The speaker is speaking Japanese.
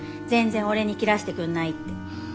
全然俺に切らしてくんないって。